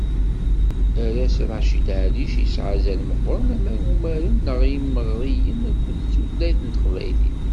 Arraz Racid Ɛellic yesɛa azal meqqren ama i umaru, neɣ i yimeɣriyen, akked tutlayt n teqbaylit.